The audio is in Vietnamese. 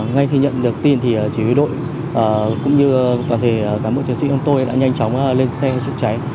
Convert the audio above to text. ngay khi nhận được tin thì chỉ huy đội cũng như toàn thể cán bộ chiến sĩ của tôi đã nhanh chóng lên xe chữa cháy